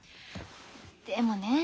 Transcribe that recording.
でもね